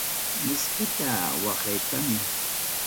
Miskita waqaykamuy.